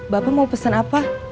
bapak mau pesan apa